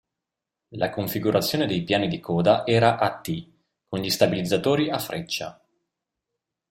La configurazione dei piani di coda era a T, con gli stabilizzatori a freccia.